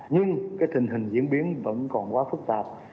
nhưng tình hình diễn biến vẫn còn quá phức tạp